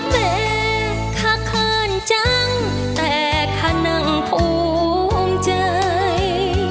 เป็นข้าเขินจังแต่ข้านั่งภูมิใจ